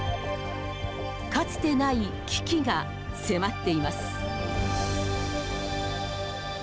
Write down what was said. かつてない危機が迫っています。